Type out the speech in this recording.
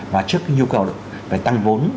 và trước cái nhu cầu về tăng vốn